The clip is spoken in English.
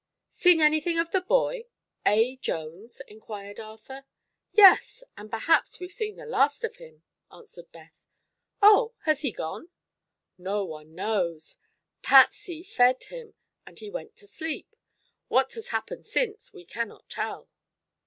"Seen anything of the boy A. Jones?" inquired Arthur. "Yes; and perhaps we've seen the last of him," answered Beth. "Oh. Has he gone?" "No one knows. Patsy fed him and he went to sleep. What has happened since we cannot tell."